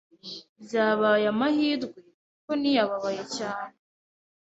Byabaye amahirwe kuko ntiyababaye cyane